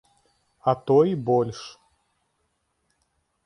А то і больш.